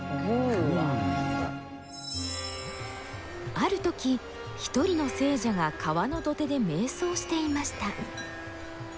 あるとき一人の聖者が川の土手でめい想していました。